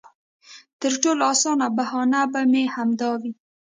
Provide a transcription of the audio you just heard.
تر ټولو اسانه بهانه به مې همدا وي.